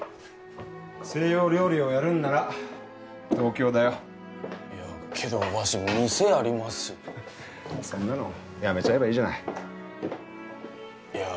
西洋料理をやるんなら東京だよいやけどわし店ありますしそんなの辞めちゃえばいいじゃないいや